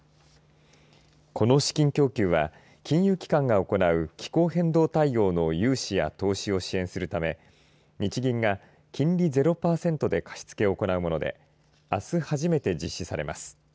この資金供給は金融機関が行う気候変動対応の融資や投資を支援するため日銀が金利０パーセントで貸し付けを行うものであす初めて実施されます。